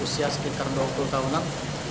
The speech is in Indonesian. usia sekitar dua puluh tahunan